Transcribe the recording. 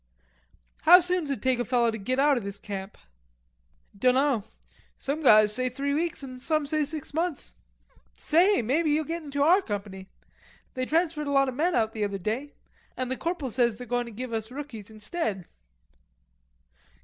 "How soon's it take a feller to git out o' this camp?" "Dunno. Some guys says three weeks and some says six months.... Say, mebbe you'll get into our company. They transferred a lot of men out the other day, an' the corporal says they're going to give us rookies instead."